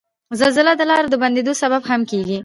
زلزله د لارو د بندیدو سبب هم کیږي.